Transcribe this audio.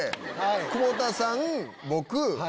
久保田さん僕。